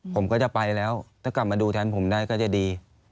ผมก็จะไปแล้วถ้ากลับมาดูแทนผมได้ก็จะดี